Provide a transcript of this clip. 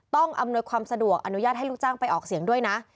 อำนวยความสะดวกอนุญาตให้ลูกจ้างไปออกเสียงด้วยนะ